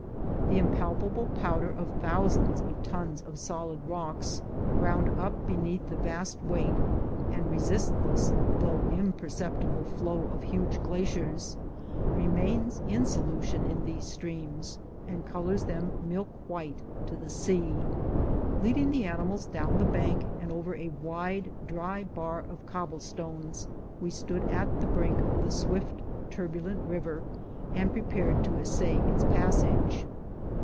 The impalpable powder of thousands of tons of solid rocks ground up beneath the vast weight and resistless though imperceptible flow of huge glaciers, remains in solution in these streams, and colors them milk white to the sea. Leading the animals down the bank and over a wide, dry bar of cobblestones, we stood at the brink of the swift, turbulent river, and prepared to essay its pas sage.